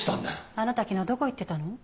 あなた昨日どこ行ってたの？